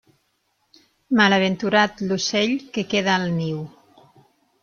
Malaventurat l'ocell que queda al niu.